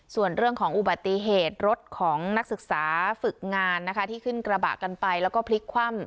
ส่วนเรื่องของอุบัติเหตุรถของนักศึกษาฝึกงานนะคะที่ขึ้นกระบะกันไปแล้วก็พลิกคว่ำ